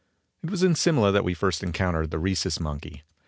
_) It was in Simla that we first encountered the Rhesus Monkey.